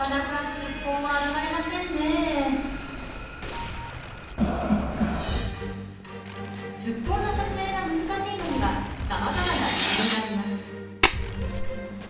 スッポンの撮影が難しいのにはさまざまな理由があります。